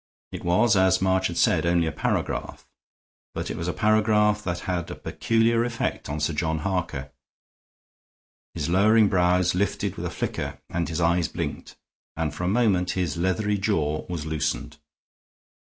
It was, as March had said, only a paragraph. But it was a paragraph that had a peculiar effect on Sir John Harker. His lowering brows lifted with a flicker and his eyes blinked, and for a moment his leathery jaw was loosened.